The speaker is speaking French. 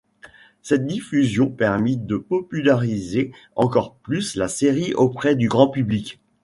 Cette diffusion permit de populariser encore plus la série auprès du grand public.